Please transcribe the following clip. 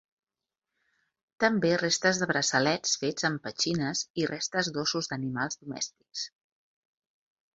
També restes de braçalets fets amb petxines i restes d'ossos d'animals domèstics.